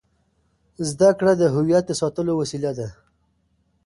زده کړه د هویت د ساتلو وسیله ده.